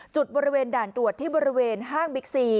จุดบริเวณด่านตรวจที่บริเวณห้างบิ๊กซี